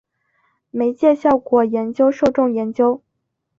媒介效果研究受众研究